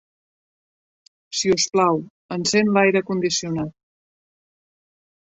Si us plau, encén l'aire condicionat.